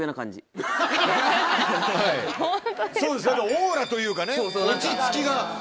オーラというかね落ち着きが。